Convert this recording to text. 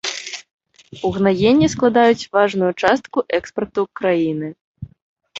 Угнаенні складаюць важную частку экспарту краіны.